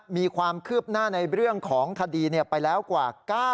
มีความคืบหน้าในเรื่องของคดีไปแล้วกว่า